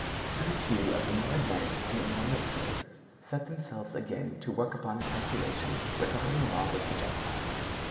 Some few of the more advanced and inveterate theorists set themselves again to work upon calculations regarding the laws of projectiles.